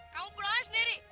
kamu pulanglah sendiri